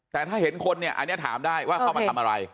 แต่ถ้าเห็นคนเนี่ยอันนี้ถามได้ว่าเข้ามาทำอะไร